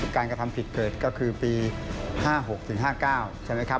การกระทำผิดเกิดก็คือปีห้าหกถึงห้าเก้าใช่ไหมครับ